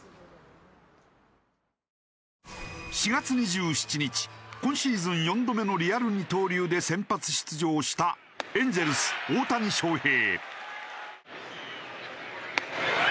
４月２７日今シーズン４度目のリアル二刀流で先発出場したエンゼルス大谷翔平。